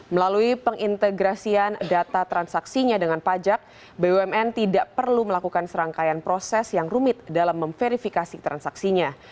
melalui pengintegrasian data transaksinya dengan pajak bumn tidak perlu melakukan serangkaian proses yang rumit dalam memverifikasi transaksinya